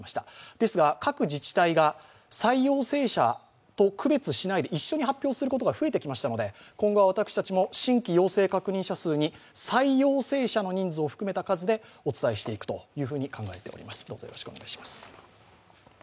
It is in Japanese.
ですが、各自治体が再陽性者と区別しないで一緒に発表することが増えてきましたので、今後は私たちも新規陽性確認者数に再陽性者の数も加えてお伝えしていくと考えております。